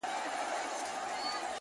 د يو ښايستې سپيني كوتري په څېر،